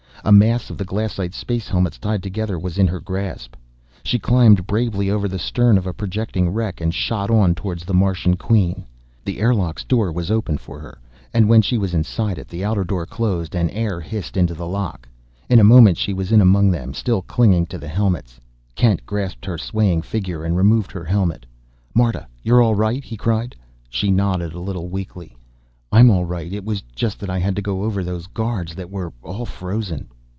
A mass of the glassite space helmets tied together was in her grasp. She climbed bravely over the stern of a projecting wreck and shot on toward the Martian Queen. The airlock's door was open for her, and, when she was inside it, the outer door closed and air hissed into the lock. In a moment she was in among them, still clinging to the helmets. Kent grasped her swaying figure and removed her helmet. "Marta, you're all right?" he cried. She nodded a little weakly. "I'm all right. It was just that I had to go over those guards that were all frozen....